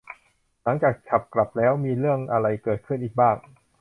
หลังจากฉับกลับแล้ว มีเรื่องอะไรเกิดขึ้นอีกบ้าง